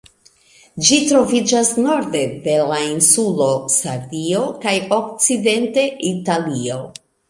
Ĝi troviĝas norde de la insulo Sardio kaj okcidente Italio.